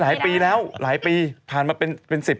ไม่เล่นเอง